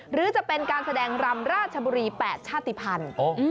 หรือจะเป็นการแสดงรำราชบุรี๘ชาติภัณฑ์